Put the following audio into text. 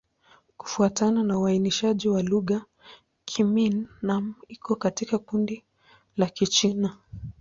Kufuatana na uainishaji wa lugha, Kimin-Nan iko katika kundi la Kichina.